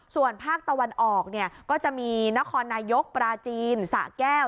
ส่วนภาคตะวันออกเนี่ยก็จะมีนครนายกปราจีนสะแก้ว